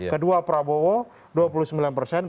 kedua prabowo dua puluh sembilan persen